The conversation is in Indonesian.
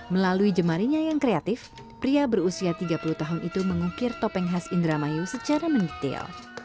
melalui jemarinya yang kreatif pria berusia tiga puluh tahun itu mengukir topeng khas indramayu secara mendetail